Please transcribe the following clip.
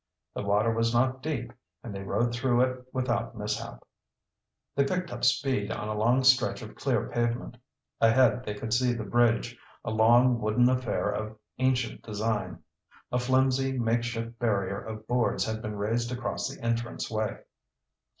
The water was not deep and they rode through it without mishap. They picked up speed on a long stretch of clear pavement. Ahead they could see the bridge, a long, wooden affair of ancient design. A flimsy, make shift barrier of boards had been raised across the entrance way.